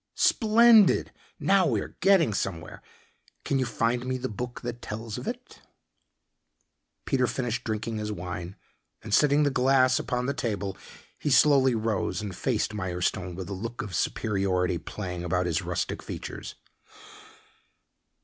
"Splendid, now we are getting somewhere. Can you find me the book that tells of it?" Peter finished drinking his wine and setting the glass upon the table, he slowly rose and faced Mirestone with a look of superiority playing about his rustic features.